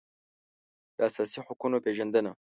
د اساسي حقوقو پېژندنه